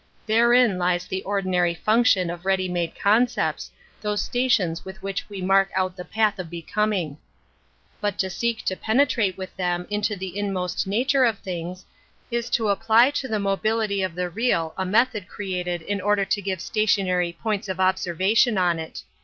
Therein lies the oi ^ nary function of ready made concepts, thi iBtations with which we mark out the path of becoming. But to seek to penetrate with them into the inmost nature of things, is to apply to the mobility of the real a ible ^i irdt|M )ath^n Metaphysics 55 method created in order to give stationary points of observation on it.